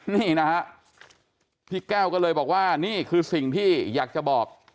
นี่นะฮะพี่แก้วก็เลยบอกว่านี่คือสิ่งที่อยากจะบอก